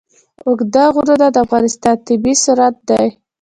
اوږده غرونه د افغانستان طبعي ثروت دی.